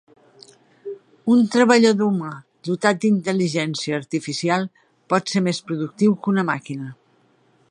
Un treballador humà dotat d'intel·ligència artificial pot ser més productiu que una màquina.